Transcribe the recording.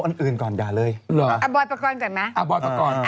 ตื่นก่อนอย่าเลยหรือว่าอับบอยด์ประกอดก่อนไหมอับบอยด์ประกอด